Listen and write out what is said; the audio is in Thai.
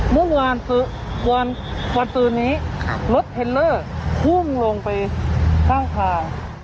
เมื่อวานวันปืนนี้รถเทลเลอร์พุ่งลงไปข้างทาง